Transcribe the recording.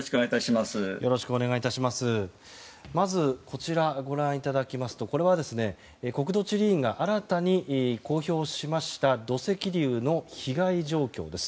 まず、こちらご覧いただきますとこれは国土地理院が新たに公表しました土石流の被害状況です。